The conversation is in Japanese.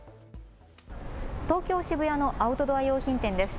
東京渋谷のアウトドア用品店です。